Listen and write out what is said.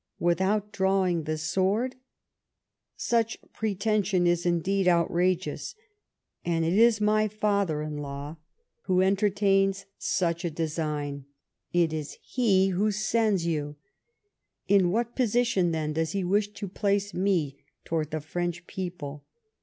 Without drawing the sword ! Such pretension is indcbd outrageous! And it is my father in law who THE ARMISTICE OF PLEISWITZ. 115 entertains such a design ! It is he who sends you ! In what i^osition, then, does he wish to place nio towards the Frencli people?